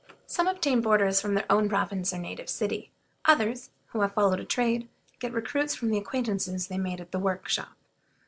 Some obtain boarders from their own province or native city; others, who have followed a trade, get recruits from the acquaintances they made at the workshop.